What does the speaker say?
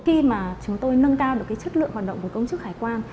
khi mà chúng tôi nâng cao được cái chất lượng hoạt động của công chức hải quan